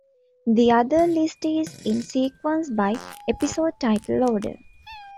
The other list is in sequence by "episode title order".